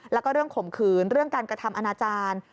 แล้วก็เรื่องข่มขืนเรื่องการกระทำอนาจารย์